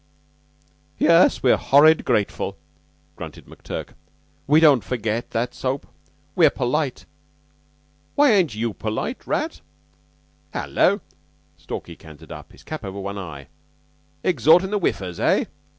"Yes, we're horrid grateful," grunted McTurk. "We don't forget that soap. We're polite. Why ain't you polite, Rat?" "Hallo!" Stalky cantered up, his cap over one eye. "Exhortin' the Whiffers, eh?